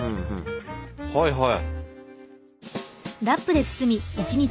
はいはい。